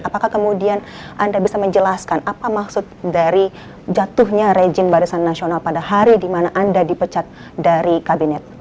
apakah kemudian anda bisa menjelaskan apa maksud dari jatuhnya rejim barisan nasional pada hari di mana anda dipecat dari kabinet